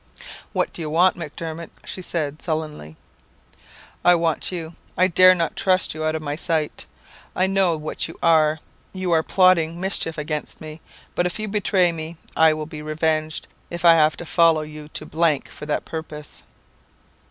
"'What do you want, Macdermot!' she said sullenly. "'I want you. I dare not trust you out of my sight. I know what you are, you are plotting mischief against me; but if you betray me I will be revenged; if I have to follow you to for that purpose.'